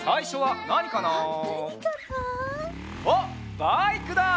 バイクだ！